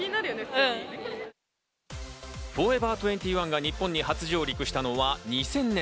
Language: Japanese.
２１が日本に初上陸したのは２０００年。